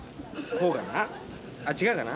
こうかな？